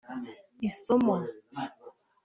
Isomo